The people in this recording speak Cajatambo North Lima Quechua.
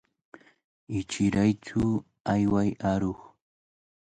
Ichiraytsu, ayway aruq.